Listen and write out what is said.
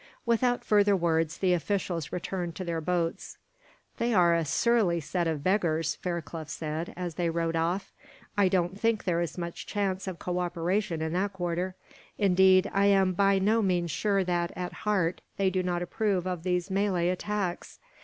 Without further words, the officials returned to their boats. "They are a surly set of beggars," Fairclough said, as they rowed off. "I don't think there is much chance of cooperation in that quarter. Indeed, I am by no means sure that, at heart, they do not approve of these Malay attacks.